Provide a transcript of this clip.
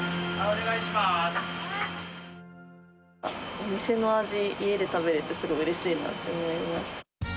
お店の味、家で食べれて、すごいうれしいなって思います。